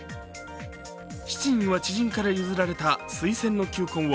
７人は知人から譲られたスイセンの球根を